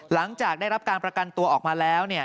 หลังจากได้รับการประกันตัวออกมาแล้วเนี่ย